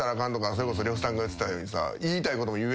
それこそ呂布さんが言ってたようにさ。